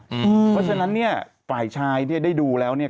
เพราะฉะนั้นเนี่ยฝ่ายชายเนี่ยได้ดูแล้วเนี่ย